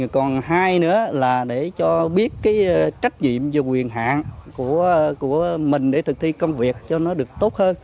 còn hai nữa là để cho biết cái trách nhiệm và quyền hạn của mình để thực thi công việc cho nó được tốt hơn